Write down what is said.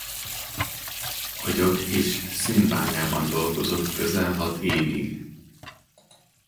Agyag- és szénbányában dolgozott közel hat évig.